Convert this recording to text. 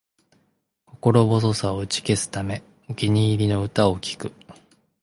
心細さを打ち消すため、お気に入りの歌を聴く